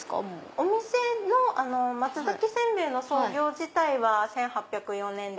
お店の松煎餅の創業自体は１８０４年で。